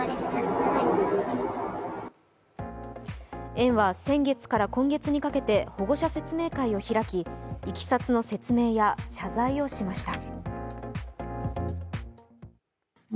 園は先月から今月にかけて保護者説明会を開き、いきさつの説明や謝罪をしました。